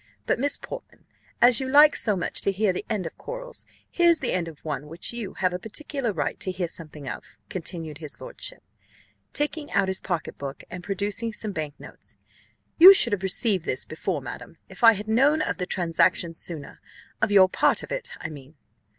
But, Miss Portman, as you like so much to hear the end of quarrels, here's the end of one which you have a particular right to hear something of," continued his lordship, taking out his pocket book and producing some bank notes: "you should have received this before, madam, if I had known of the transaction sooner of your part of it, I mean."